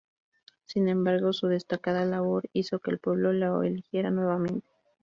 Sin embargo, su destacada labor hizo que el pueblo lo eligiera nuevamente.